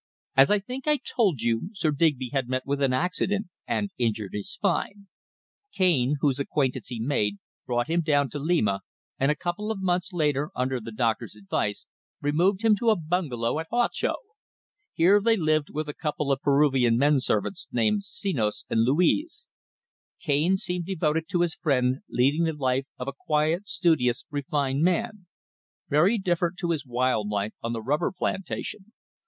"As I think I told you, Sir Digby had met with an accident and injured his spine. Cane, whose acquaintance he made, brought him down to Lima, and a couple of months later, under the doctor's advice, removed him to a bungalow at Huacho. Here they lived with a couple of Peruvian men servants, named Senos and Luis. Cane seemed devoted to his friend, leading the life of a quiet, studious, refined man very different to his wild life on the rubber plantation.